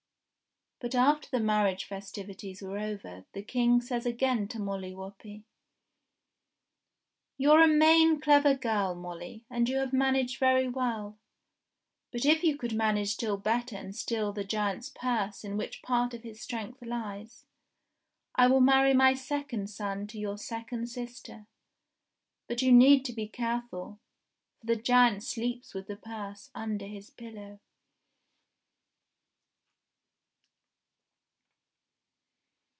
But after the marriage festivities were over the King says again to Molly Whuppie : "You're a main clever girl, Molly, and you have managed very well, but if you could manage still better and steal the giant's purse in which part of his strength lies, I will marry my second son to your second sister. But you need to be careful, for the giant sleeps with the purse under his pillow!"